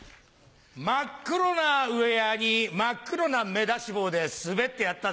真っ黒なウエアに真っ黒な目出し帽で滑ってやったぜ！